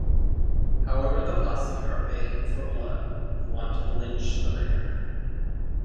However the posse are baying for blood and want to lynch the pair.